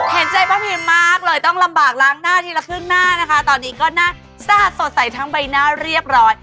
เห็นใจป้าพิมมากเลยต้องลำบากล้างหน้าทีละครึ่งหน้านะคะตอนนี้ก็หน้าสาดสดใสทั้งใบหน้าเรียบร้อย